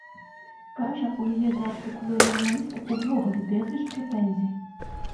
Кажа, у яе да артыкула журналіста ўвогуле безліч прэтэнзій.